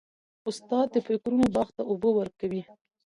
استاد د فکرونو باغ ته اوبه ورکوي.